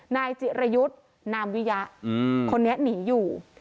นายจิรยุทธ์นามวิยะคนนี้หนีอยู่